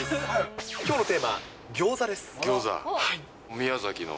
きょうのテーマ、ギョーザでギョーザ。